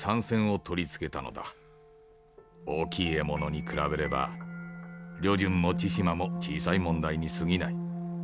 大きい獲物に比べれば旅順も千島も小さい問題にすぎない。